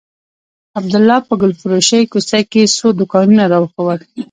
عبدالله په ګلفروشۍ کوڅه کښې څو دوکانونه راوښوول.